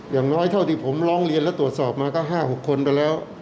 อย่างน้อยเท่าที่ผมร้องเรียนและตรวจสอบมาก็๕๖คนไปแล้ว